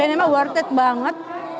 ini emang worth it banget